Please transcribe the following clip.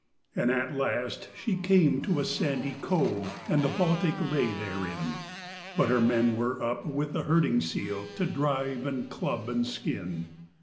And at last she came to a sandy cove and the Baltic lay therein, But her men were up with the herding seal to drive and club and skin.